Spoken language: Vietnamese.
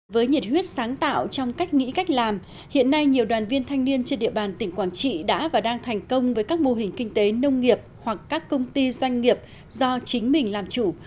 với nhiệt huyết sáng tạo trong cách nghĩ cách làm hiện nay nhiều đoàn viên thanh niên trên địa bàn tỉnh quảng trị đã và đang thành công với các mô hình kinh tế nông nghiệp hoặc các công ty doanh nghiệp do chính mình làm chủ